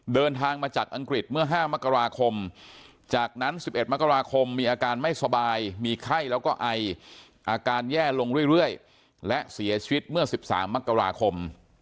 เดินทางมาจากอังกฤษเมื่อ๕มกราคมจากนั้น๑๑มกราคมมีอาการไม่สบายมีไข้แล้วก็ไออาการแย่ลงเรื่อยและเสียชีวิตเมื่อ๑๓มกราคม